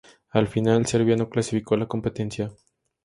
Al final Serbia no clasificó a la competencia.